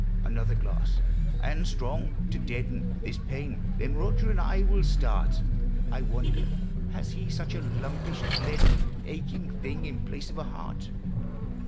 Another glass, and strong, to deaden This pain; then Roger and I will start. I wonder, has he such a lumpish, leaden, Aching thing in place of a heart